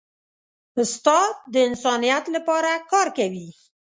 استاد د انسانیت لپاره کار کوي.